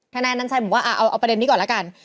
นายอนัญชัยบอกว่าเอาประเด็นนี้ก่อนแล้วกัน